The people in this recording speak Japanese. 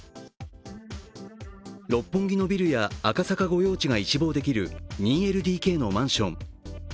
六本木のビルや赤坂御用地が一望できる２ＬＤＫのマンション。